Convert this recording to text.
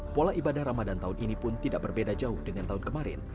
pola ibadah ramadan tahun ini pun tidak berbeda jauh dengan tahun kemarin